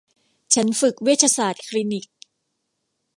ฉันฝึกเวชศาสตร์คลินิก